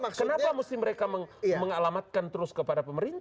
kenapa mesti mereka mengalamatkan terus kepada pemerintah